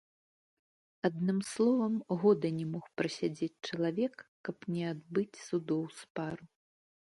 Адным словам, года не мог прасядзець чалавек, каб не адбыць судоў з пару.